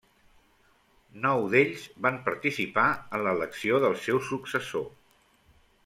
Nou d'ells van participar en l'elecció del seu successor.